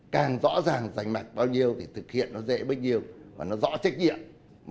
càng rõ ràng giành mặt bao nhiêu thì thực hiện nó dễ bất nhiêu và nó rõ trách nhiệm